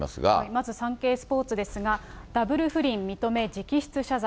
まずサンケイスポーツですが、ダブル不倫認め、直筆謝罪。